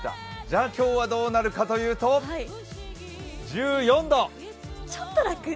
じゃあ、今日はどうなるかというと１４度。